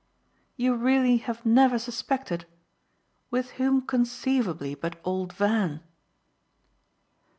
"You really have never suspected? With whom conceivably but old Van?"